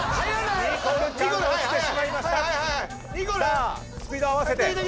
さあスピードを合わせて。